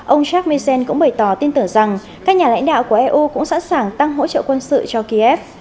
ông jakeen cũng bày tỏ tin tưởng rằng các nhà lãnh đạo của eu cũng sẵn sàng tăng hỗ trợ quân sự cho kiev